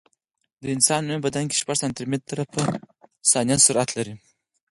د انسان وینه په بدن کې شپږ سانتي متره په ثانیه سرعت لري.